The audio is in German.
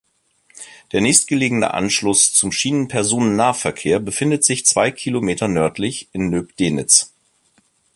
Der nächstgelegene Anschluss zum Schienenpersonennahverkehr befindet sich zwei Kilometer nördlich in Nöbdenitz.